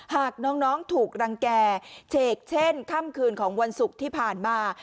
หากน้องถูกรังแก่เฉกเช่นค่ำคืนของวันศุกร์ที่ผ่านมา